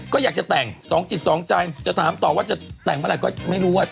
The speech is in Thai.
ก็อยากจะแต่ง๒จิตสองใจจะถามต่อว่าจะแต่งเมื่อไหร่ก็ไม่รู้ว่า